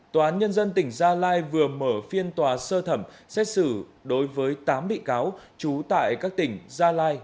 tòa án nhân dân tỉnh gia lai vừa mở phiên tòa sơ thẩm xét xử đối với tám bị cáo trú tại các tỉnh gia lai